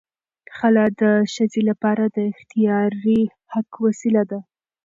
خلع د ښځې لپاره د اختیاري حق وسیله ده.